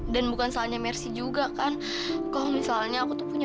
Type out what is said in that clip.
pake duit aku aja dulu ya